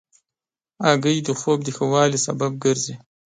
هګۍ د خوب د ښه والي سبب ګرځي.